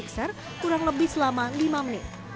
ekser kurang lebih selama lima menit